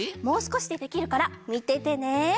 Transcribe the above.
もうすこしでてきるからみててね。